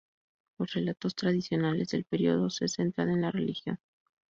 Los relatos tradicionales del período se centran en la religión.